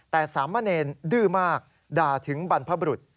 แต่สามเณรดื้อมากด่าถึงบรรพบรุษ